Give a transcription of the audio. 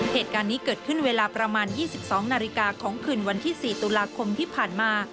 เหตุการณ์นี้เกิดขึ้นเวลาประมาณ๒๒นาฬิกาของคืนวันที่๔ตุลาคมที่ผ่านมา